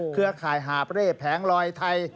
เครือข่ายหาบเร่แผงลอยไทย